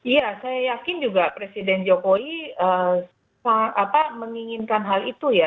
iya saya yakin juga presiden jokowi menginginkan hal itu ya